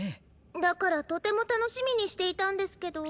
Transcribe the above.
だからとてもたのしみにしていたんですけど。